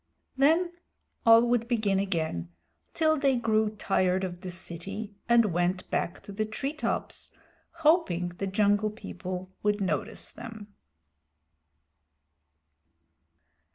Then all would begin again till they grew tired of the city and went back to the tree tops, hoping the Jungle People would notice them.